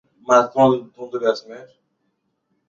দামেস্কে বেড়ে উঠেন এবং সেখানেই স্থায়ী হন।